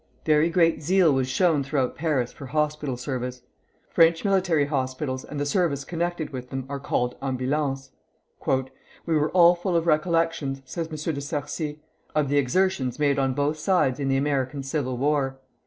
Very great zeal was shown throughout Paris for hospital service. French military hospitals and the service connected with them are called "ambulances." "We were all full of recollections," says M. de Sarcey, "of the exertions made on both sides in the American Civil War.